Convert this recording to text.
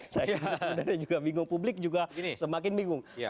saya juga bingung publik juga semakin bingung